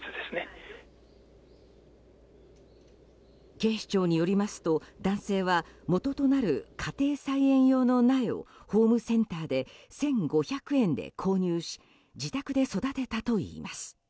警視庁によりますと、男性はもととなる家庭用菜園の苗をホームセンターで１５００円で購入し自宅で育てたといいます。